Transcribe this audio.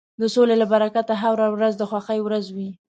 د سولې له برکته هره ورځ د خوښۍ ورځ وي.